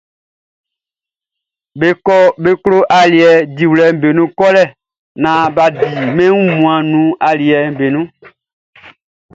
Be klo aliɛ diwlɛʼm be nun kɔlɛ naan bʼa di mɛn wunmuanʼn nun aliɛʼm be nun.